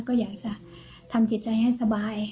ก็อยากจะทำจิตใจให้สบาย